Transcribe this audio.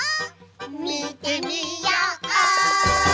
みてみよう！